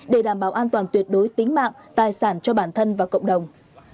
để đảm bảo an toàn tuyệt đối tính mạng tài sản cho bản thân và cộng đồng